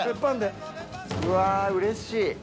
うわうれしい！